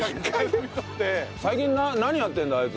「最近何やってんだ？